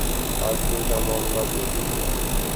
آدمی کا معاملہ بھی عجیب ہے۔